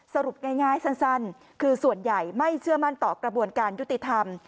สรุปง่ายสั้นคือส่วนใหญ่ไม่เชื่อมั่นต่อกระบวนการยุติธรรม